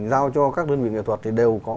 giao cho các đơn vị nghệ thuật thì đều có